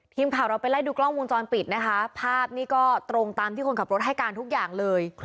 ทีมข่าวเราไปไล่ดูกล้องวงจรปิดนะคะภาพนี้ก็ตรงตามที่คนขับรถให้การทุกอย่างเลย